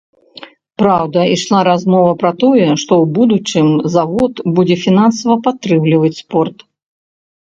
Праўда, ішла размова пра тое, што ў будучым завод будзе фінансава падтрымліваць спорт.